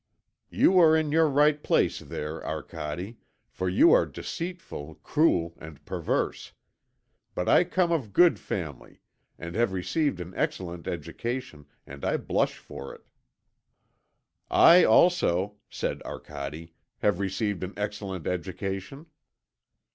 You are in your right place there, Arcade, for you are deceitful, cruel, and perverse. But I come of good family and have received an excellent education, and I blush for it." "I also," said Arcade, "have received an excellent education."